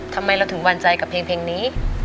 ทำไมเราถึงหวั่นใจกับเพลงนี้